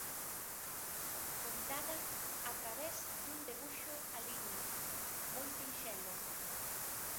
Contada a través dun debuxo a liña, moi sinxelo.